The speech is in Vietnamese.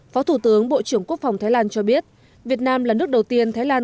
phó thủ tướng bộ trưởng quốc phòng thái lan cho biết việt nam là nước đầu tiên thái lan